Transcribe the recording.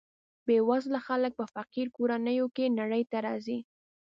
بې وزله خلک په فقیر کورنیو کې نړۍ ته راځي.